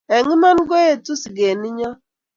Eng' iman koetu seget ninyo